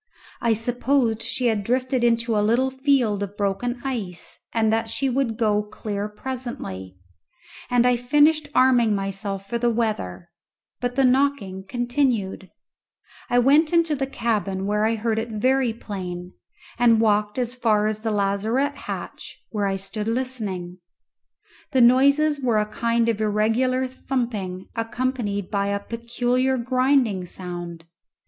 I supposed she had drifted into a little field of broken ice, and that she would go clear presently, and I finished arming myself for the weather; but the knocking continuing, I went into the cabin where I heard it very plain, and walked as far as the lazarette hatch, where I stood listening. The noises were a kind of irregular thumping accompanied by a peculiar grinding sound.